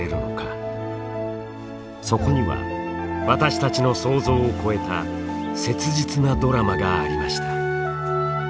そこには私たちの想像を超えた切実なドラマがありました。